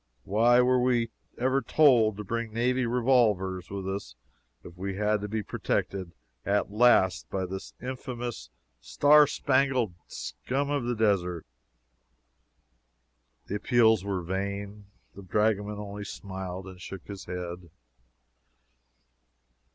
Why were we ever told to bring navy revolvers with us if we had to be protected at last by this infamous star spangled scum of the desert? These appeals were vain the dragoman only smiled and shook his head.